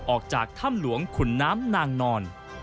ออกจากถ้ำหลวงขุนน้ำนางนอน